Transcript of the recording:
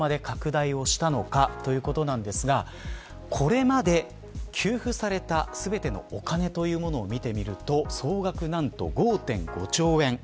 なぜここまで拡大したのかということなんですがこれまで給付された全てのお金というものを見てみると総額なんと５．５兆円。